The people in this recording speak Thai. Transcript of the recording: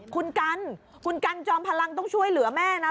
คุณกันคุณกันจอมพลังต้องช่วยเหลือแม่นะ